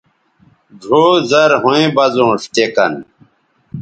ڙھؤ زرھویں بزونݜ تے کن